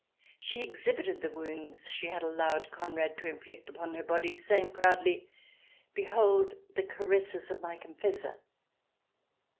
She exhibited the wounds she had allowed Conrad to inflict upon her body, saying proudly :" Behold the caresses of my confessor